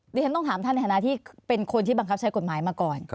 ดิฉันต้องถามท่านในฐานะที่เป็นคนที่บังคับใช้กฎหมายมาก่อน